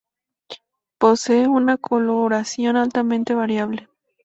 Posee una coloración altamente variable.